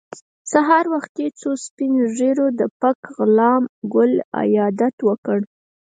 سهار وختي څو سپین ږیرو د پک غلام ګل عیادت وکړ.